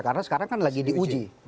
karena sekarang kan lagi diuji